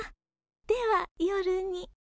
では夜に。